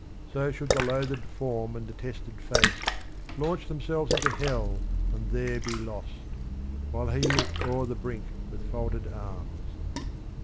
" So should the loathed form and detested face Launch themselves into hell and there be lost. While he looked o'er the brink with folded arms."